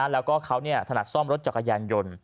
แล้วก็เขาถนัดซ่อมรถจักรยานยนต์